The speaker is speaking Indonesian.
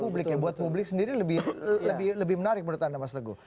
buat publik sendiri lebih menarik menurut anda mas teguh